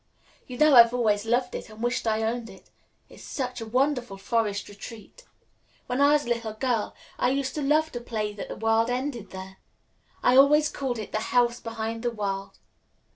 You know I've always loved it and wished I owned it. It's such a wonderful forest retreat. When I was a little girl, I used to love to play that the world ended there. I always called it the House Behind the World."